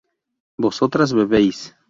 vosotras bebéis